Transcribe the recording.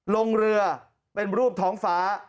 ลงเรือเป็นรูปท้องฟ้า